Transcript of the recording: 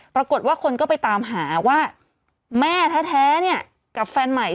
ปรากฏว่าคนก็ไปตามหาว่าแม่แท้เนี่ยกับแฟนใหม่